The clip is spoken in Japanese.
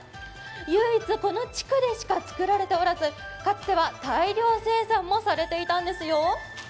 唯一、この地区でしか作られておらずかつては大量生産もされていたんですよ。